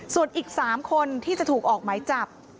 ส่วนอีก๓คนที่จะถูกออกหมายจับ